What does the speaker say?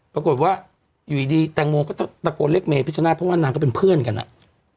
ปรากฏว่าอยู่ดีแตงโมก็ตะโกนเรียกเมพิชนาธิเพราะว่านางก็เป็นเพื่อนกันอ่ะ